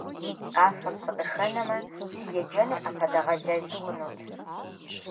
Къафэм сыкъыхэнэмэ, си еджэныр Ӏэпэдэгъэлэл хъунут.